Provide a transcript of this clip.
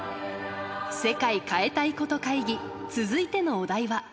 世界変えたいこと会議、続いてのお題は。